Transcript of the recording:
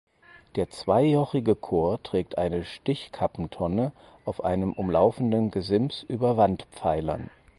Der zweijochige Chor trägt eine Stichkappentonne auf einem umlaufenden Gesims über Wandpfeilern.